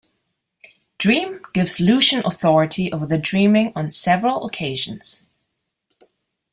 Dream gives Lucien authority over the Dreaming on several occasions.